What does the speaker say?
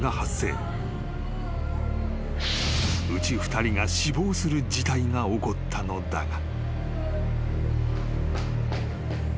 ［うち２人が死亡する事態が起こったのだが］